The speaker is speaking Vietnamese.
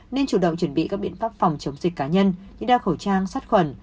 nên chủ động chuẩn bị các biện pháp phòng chống dịch cá nhân như đeo khẩu trang sát khuẩn